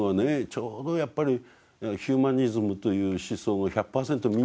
ちょうどやっぱりヒューマニズムという思想が１００％身についた方々ですよ。